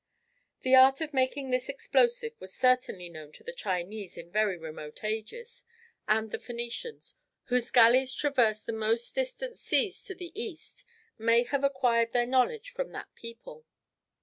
The art of making this explosive was certainly known to the Chinese in very remote ages, and the Phoenicians, whose galleys traversed the most distant seas to the east, may have acquired their knowledge from that people.